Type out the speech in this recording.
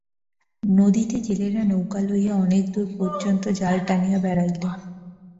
নদীতে জেলেরা নৌকা লইয়া অনেক দূর পর্যন্ত জাল টানিয়া বেড়াইল।